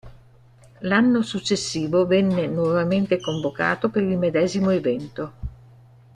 L'anno successivo venne nuovamente convocato per il medesimo evento.